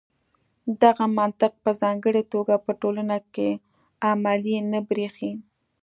دغه منطق په ځانګړې توګه په ټولنو کې عملي نه برېښي.